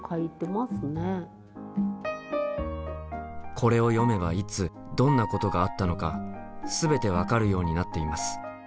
これを読めばいつどんなことがあったのか全て分かるようになっています。